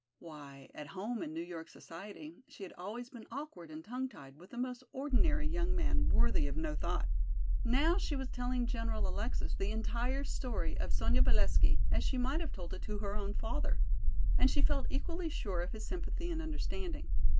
Why, at home, in New York society, she had always been awkward and tongue tied with the most ordinary young man worthy of no thought. Now she was telling General Alexis the entire story of Sonya Valesky as she might have told it to her own father. And she felt equally sure of his sympathy and understanding.